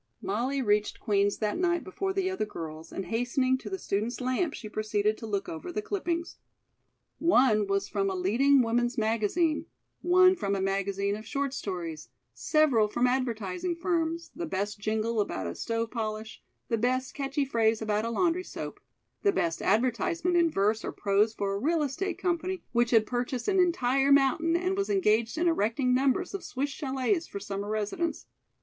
Molly reached Queen's that night before the other girls, and hastening to the student's lamp, she proceeded to look over the clippings. One was from a leading woman's magazine; one from a magazine of short stories; several from advertising firms the best jingle about a stove polish; the best catchy phrase about a laundry soap; the best advertisement in verse or prose for a real estate company which had purchased an entire mountain and was engaged in erecting numbers of Swiss chalets for summer residents.